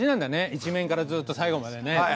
１面からずっと最後までね。